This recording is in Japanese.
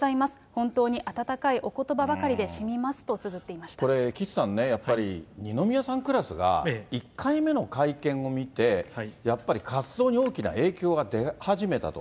本当に温かいおことばばかりでしみますと、これ、岸さんね、やっぱり二宮さんクラスが１回目の会見を見て、やっぱり活動に大きな影響が出始めたと。